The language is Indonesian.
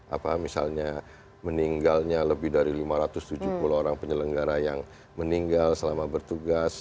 apa misalnya meninggalnya lebih dari lima ratus tujuh puluh orang penyelenggara yang meninggal selama bertugas